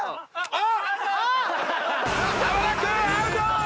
あっ！